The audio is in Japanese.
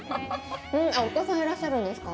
お子さん、いらっしゃるんですか。